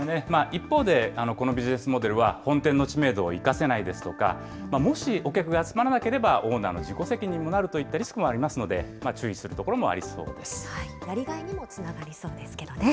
一方で、このビジネスモデルは、本店の知名度を生かせないですとか、もしお客が集まらなければオーナーの自己責任にもなるといったリスクもありますので、注意すやりがいにもつながりそうですけどね。